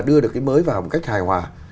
đưa được cái mới vào một cách hài hòa